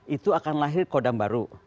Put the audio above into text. itu akan lahir kodam baru